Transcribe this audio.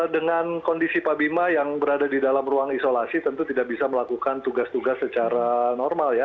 dengan kondisi pak bima yang berada di dalam ruang isolasi tentu tidak bisa melakukan tugas tugas secara normal ya